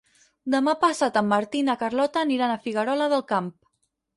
Demà passat en Martí i na Carlota aniran a Figuerola del Camp.